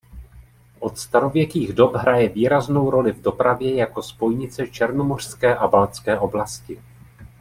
Od starověkých dob hraje výraznou roli v dopravě jako spojnice černomořské a baltské oblasti.